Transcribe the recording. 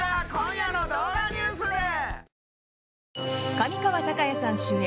上川隆也さん主演